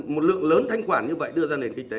một lượng lớn thanh quản như vậy đưa ra nền kinh tế